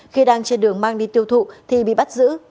khi đang trên đường mang đi tiêu thụ thì bị bắt giữ